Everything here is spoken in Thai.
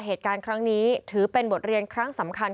เหตุการณ์ครั้งนี้ถือเป็นบทเรียนครั้งสำคัญ